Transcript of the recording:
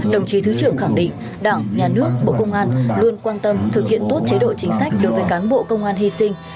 đồng chí thứ trưởng khẳng định đảng nhà nước bộ công an luôn quan tâm thực hiện tốt chế độ chính sách đối với cán bộ công an hy sinh